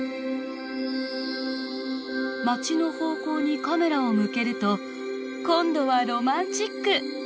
街の方向にカメラを向けると今度はロマンチック。